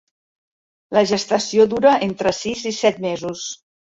La gestació dura entre sis i set mesos.